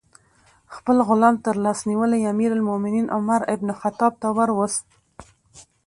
خپل غلام ترلاس نیولی امیر المؤمنین عمر بن الخطاب ته وروست.